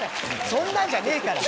そんなんじゃねえから。